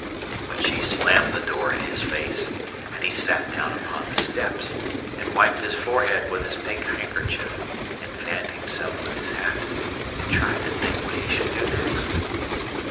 But she slammed the door in his face, and he sat down upon the steps and wiped his forehead with his pink handkerchief and fanned himself with his hat and tried to think what he should do next.